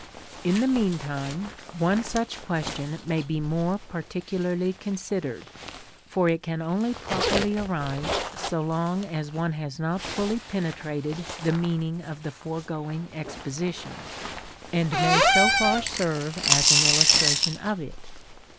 In the meantime one such question may be more particularly considered, for it can only properly arise so long as one has not fully penetrated the meaning of the foregoing exposition, and may so far serve as an illustration of it.